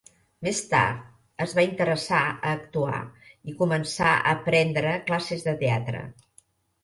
Més tard es va interessar a actuar i començà a prendre classes de teatre.